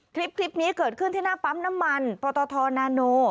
คลิปนี้เกิดขึ้นที่หน้าปั๊มน้ำมันปตทนาโน